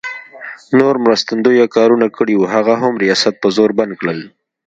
نور مرستندویه کارونه کړي وو، هغه هم ریاست په زور بند کړل.